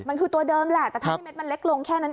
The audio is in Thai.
มันคือตัวเดิมแหละแต่ถ้าให้เม็ดมันเล็กลงแค่นั้นเอง